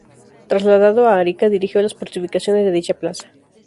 Trasladado a Arica, dirigió las fortificaciones de dicha plaza.